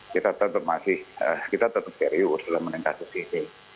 kita tetap serius dalam meningkatkan kasus ini